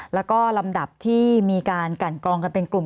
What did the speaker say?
แล้วก็ลำดับที่มีการกันกรองกันเป็นกลุ่ม